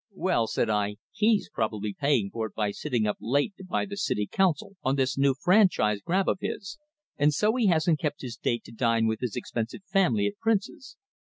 "Well," said I, "he's probably paying for it by sitting up late to buy the city council on this new franchise grab of his; and so he hasn't kept his date to dine with his expensive family at Prince's.